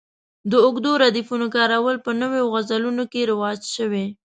د اوږدو ردیفونو کارول په نویو غزلونو کې رواج شوي.